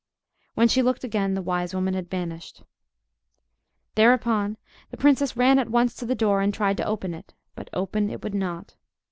When she looked again, the wise woman had vanished. Thereupon the princess ran at once to the door, and tried to open it; but open it would not.